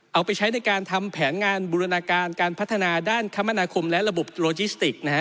เอาไปใช้ในการทำแผนงานบูรณาการการพัฒนาด้านคมนาคมและระบบโลจิสติกนะฮะ